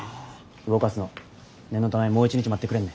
動かすの念のためもう一日待ってくれんね。